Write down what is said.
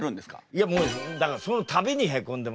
いやもうだからその度にへこんでますよ